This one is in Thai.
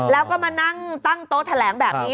แล้วก็มานั่งตั้งโต๊ะแถลงแบบนี้